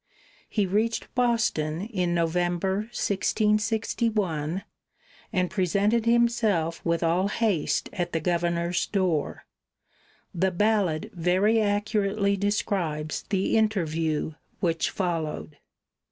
He reached Boston in November, 1661, and presented himself with all haste at the governor's door. The ballad very accurately describes the interview which followed.